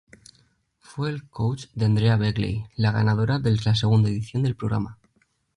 Fue el coach de Andrea Begley, la ganadora de la segunda edición del programa.